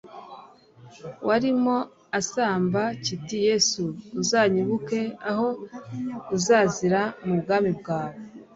warimo asamba kiti: «Yesu, uzanyibuke aho uzazira mu bwami bwawe.»